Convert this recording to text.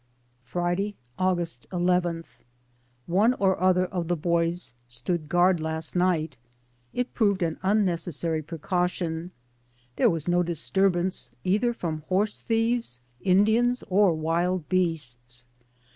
Friday, August 11. One or other of the boys stood guard last night. It proved an unnecessary precaution. There was no disturbance either from horse thieves, Indians, or wild beasts.